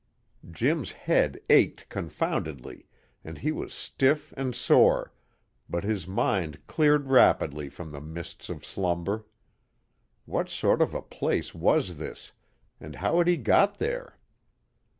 Jim's head ached confoundedly, and he was stiff and sore, but his mind cleared rapidly from the mists of slumber. What sort of a place was this, and how had he got there?